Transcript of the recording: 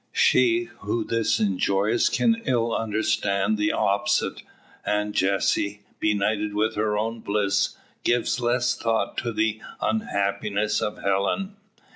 She, who this enjoys can ill understand the opposite; and, Jessie, benighted with her own bliss, gives less thought to the unhappiness of Helen.